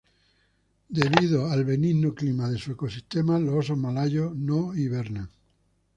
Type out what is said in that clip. Debido al benigno clima de su ecosistema, los osos malayos no hibernan.